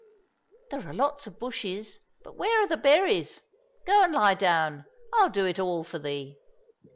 " There are lots of bushes, but where are the berries ? Go and lie down, and I'll do it all for thee."